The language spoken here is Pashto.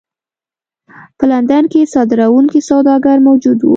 په لندن کې صادروونکي سوداګر موجود وو.